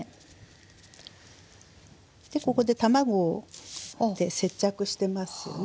でここで卵を接着してますよね。